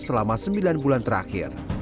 selama sembilan bulan terakhir